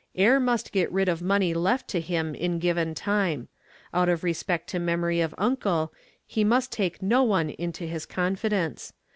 Heir must get rid of money left to him in given time. Out of respect to memory of uncle he must take no one into his confidence.